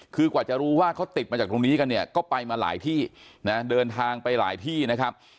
คือกว่าจะรู้ว่าเขาติดมาจากตรงนี้กันเนี่ยก็ไปมาหลายที่นะเดินทางไปหลายที่นะครับ